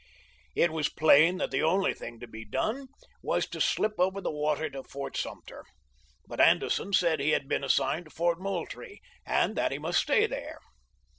It was plain that the only thing to be done was to slip over the water to Fort Sumter, but Anderson said he had been assigned to Fort Moultrie, and that he must stay there.